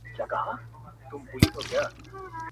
چي ته د چا د حُسن پيل يې ته چا پيدا کړې.